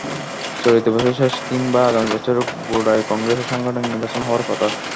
চলতি বছরের শেষ কিংবা আগামী বছরের গোড়ায় কংগ্রেসের সাংগঠনিক নির্বাচন হওয়ার কথা।